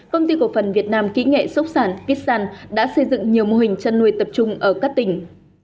công ty cổ phần việt nam kỹ nghệ sốc sản vitsan đã xây dựng nhiều mô hình chăn nuôi tập trung ở các tỉnh